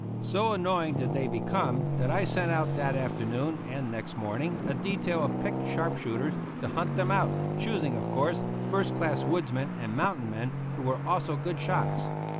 So annoying did they become that I sent out that afternoon and next morning a detail of picked sharp shooters to hunt them out, choosing, of course, first class woodsmen and mountain men who were also good shots.